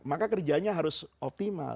maka kerjanya harus optimal